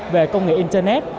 về công nghệ internet